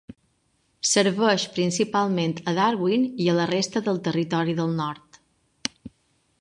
Serveix principalment a Darwin i a la resta del Territori del Nord.